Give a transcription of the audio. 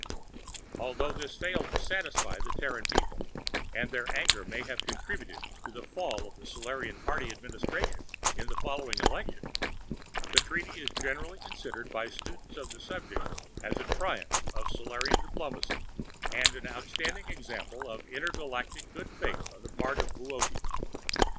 Although this failed to satisfy the Terran people and their anger may have contributed to the fall of the Solarian Party administration in the following election the Treaty is generally considered by students of the subject as a triumph of Solarian diplomacy, and an outstanding example of intergalactic good faith on the part of Boötes.